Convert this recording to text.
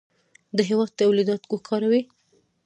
د هېواد تولیدات وکاروئ.